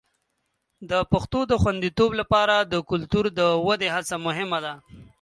د پښتو د خوندیتوب لپاره د کلتور د ودې هڅه مهمه ده.